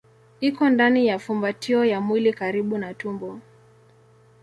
Iko ndani ya fumbatio ya mwili karibu na tumbo.